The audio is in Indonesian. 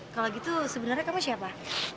kalau gitu sebenarnya kamu siapa